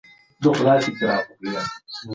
سعید په خپل کوچني لاس کې د کلي انځور نیولی و.